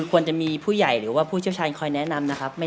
ควรจะมีผู้ใหญ่สร้างแนะนำแนะนำ